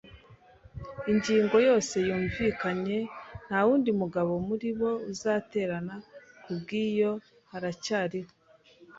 ingingo yose yumvikanye: “Nta wundi mugabo muri bo uzaterana.” Ku bw'ivyo, haracyariho